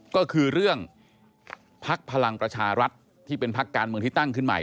ก็คือเรื่องพักพลังประชารัฐที่เป็นพักการเมืองที่ตั้งขึ้นใหม่